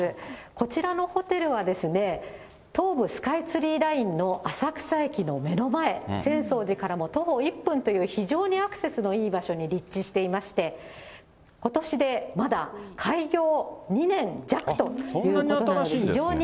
こちらのホテルはですね、東武スカイツリーラインの浅草駅の目の前、浅草寺からも徒歩１分という、非常にアクセスのいい場所に立地していまして、ことしでまだ開業２年弱ということで。